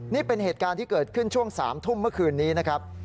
นี่เป็นเหตุการณ์ที่เกิดขึ้นช่วง๓ทุ่มเมื่อคืนนี้นะครับ